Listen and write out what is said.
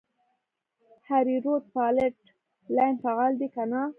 هریرود فالټ لاین فعال دی که نه؟